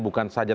terima kasih pak